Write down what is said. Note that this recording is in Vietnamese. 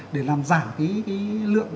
để làm giảm cái lượng